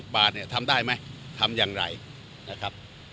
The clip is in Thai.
บาทเนี่ยทำได้ไหมทำอย่างไรนะครับ